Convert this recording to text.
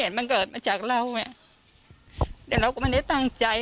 เห็นมันเกิดมาจากเราเนี่ยแต่เราก็ไม่ได้ตั้งใจ